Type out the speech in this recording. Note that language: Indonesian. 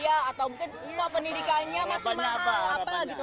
saya atau mungkin pendidikannya masih mana